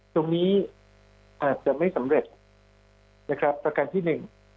ตรงนี้อาจจะไม่สำเร็จประกันที่หนึ่ง